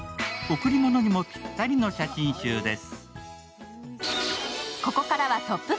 贈り物にもぴったりの写真集です。